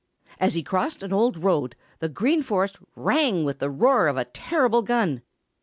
As he crossed an old road, the Green Forest rang with the roar of a terrible gun.